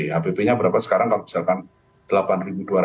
hpp nya berapa sekarang kalau misalkan rp delapan dua ratus